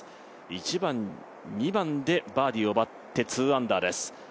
１番、２番でバーディーを奪って２アンダーです。